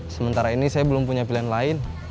sementara ini saya belum punya pilihan lain